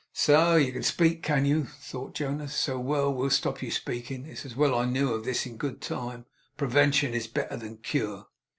'You can speak, can you!' thought Jonas. 'So, so, we'll stop your speaking. It's well I knew of this in good time. Prevention is better than cure.